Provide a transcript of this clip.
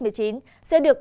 sẽ được báo sức khỏe